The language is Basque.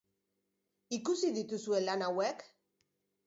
Ikusi dituzue lan hauek?